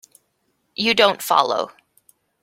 You don't follow.